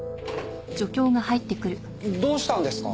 どうしたんですか？